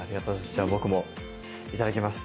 じゃあ僕もいただきます。